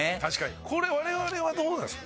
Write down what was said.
これ我々はどうなんすか？